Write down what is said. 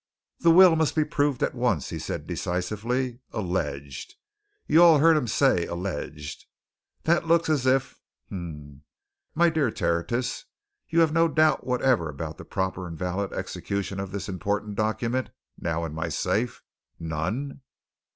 "The will must be proved at once," he said decisively. "Alleged you all heard him say alleged! That looks as if um! My dear Tertius, you have no doubt whatever about the proper and valid execution of this important document now in my safe. None?"